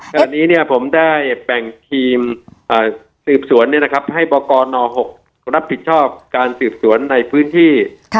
ครับอันนี้เนี่ยผมได้แปลงทีมสืบสวนเนี่ยนะครับให้ปกรณ์อ๖รับผิดชอบการสืบสวนในพื้นที่